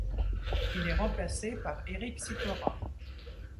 Il est remplacé par Éric Sikora.